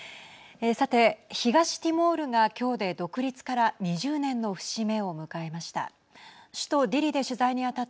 さて東ティモールが、きょうで独立から２０年の節目を迎えました。